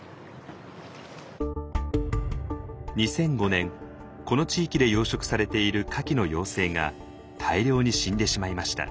２００５年この地域で養殖されているカキの幼生が大量に死んでしまいました。